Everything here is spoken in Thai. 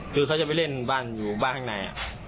คือเขาจะไปเล่นบ้านอยู่บ้านข้างใน